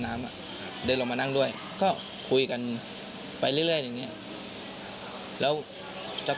น้ำอ่ะครับเดินลงมานั่งด้วยก็คุยกันไปเรื่อยอย่างเงี้ยแล้วจาก